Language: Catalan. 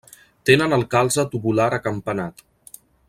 Tenen el calze tubular acampanat.